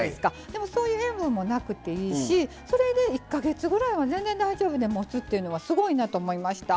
でもそういう塩分もなくていいしそれで１か月ぐらいは全然大丈夫でもつっていうのはすごいなと思いました。